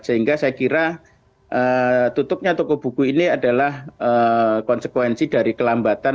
sehingga saya kira tutupnya toko buku ini adalah konsekuensi dari kelambatan